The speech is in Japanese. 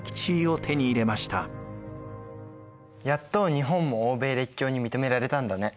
やっと日本も欧米列強に認められたんだね。